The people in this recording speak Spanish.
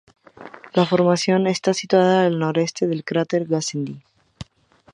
La formación está situada al noroeste del cráter Gassendi.